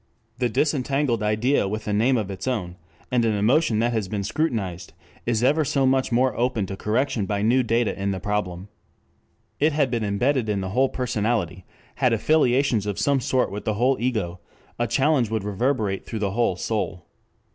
The disentangled idea with a name of its own, and an emotion that has been scrutinized, is ever so much more open to correction by new data in the problem. It had been imbedded in the whole personality, had affiliations of some sort with the whole ego: a challenge would reverberate through the whole soul.